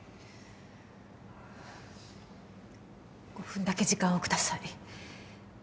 ５分だけ時間をください。